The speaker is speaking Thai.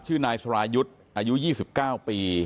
ชื่อนายสรายุทธ์อายุ๒๙ปี